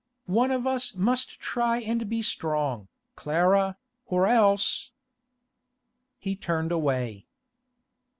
One of us must try and be strong, Clara, or else—' He turned away.